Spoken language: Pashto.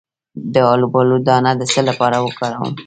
د الوبالو دانه د څه لپاره وکاروم؟